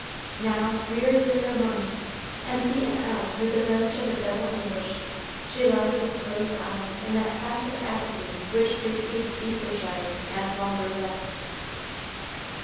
Now, weary with her moanings, and beaten out with the wrench of a double anguish, she lies with closed eyes in that passive apathy which precedes deeper shadows and longer rest.